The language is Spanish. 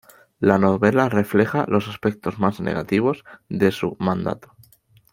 La novela refleja los aspectos más negativos de su mandato.